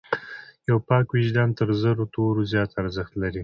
یو پاک وجدان تر زرو تورو زیات ارزښت لري.